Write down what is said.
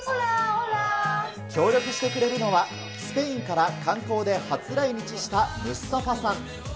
協力してくれるのは、スペインから観光で初来日したムスタファさん。